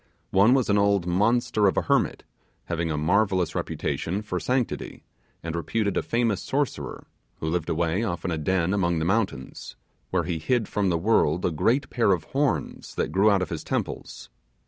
One was an old monster of a hermit, having a marvellous reputation for sanctity, and reputed a famous sorcerer, who lived away off in a den among the mountains, where he hid from the world a great pair of horns that grew out of his temples.